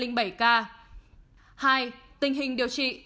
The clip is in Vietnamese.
hai tình hình điều trị